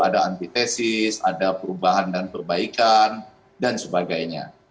ada antitesis ada perubahan dan perbaikan dan sebagainya